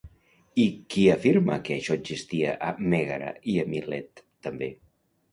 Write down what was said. I qui afirma que això existia a Mègara i a Milet, també?